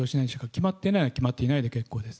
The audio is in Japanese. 決まっていないなら決まっていないで結構です。